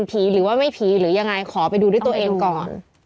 หรือว่าไม่ผีหรือยังไงขอไปดูด้วยตัวเองก่อน